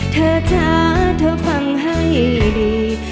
เธอจ้าเธอฟังให้ดี